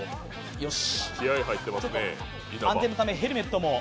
よし！